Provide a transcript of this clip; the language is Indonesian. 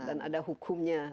dan ada hukumnya